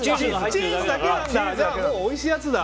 おいしいやつだ。